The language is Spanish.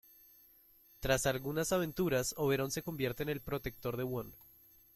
Tras algunas aventuras, Oberón se convierte en el protector de Huon.